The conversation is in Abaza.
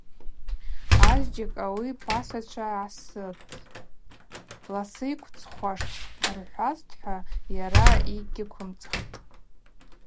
Азджьакӏ ауи пасачва йгӏасытӏ, ласы йыквцӏхуаштӏ–рхӏвазтӏхӏва, йара гьыквымцӏхтӏ.